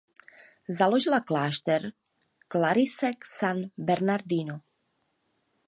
Založila klášter klarisek San Bernardino.